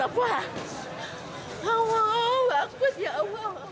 api terbakar api terbakar